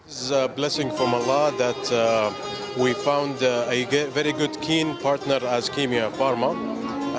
ini adalah rahmat dari allah bahwa kita menemukan partner yang sangat baik seperti kimia pharma